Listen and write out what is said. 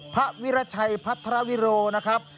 ภาพวิราชัยภาธาราวิโรหนะครับ